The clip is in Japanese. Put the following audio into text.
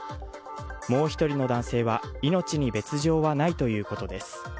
もう一人の男性は命に別状はないということです